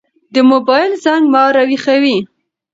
د موبايل زنګ ما راويښوي.